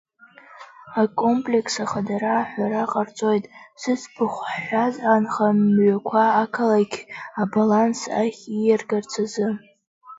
Акомплекс ахадара аҳәара ҟарҵоит, зыӡбахә ҳҳәаз анхамҩақәа ақалақь абаланс ахь ииаргарц азы.